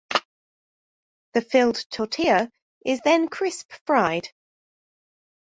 The filled tortilla is then crisp-fried.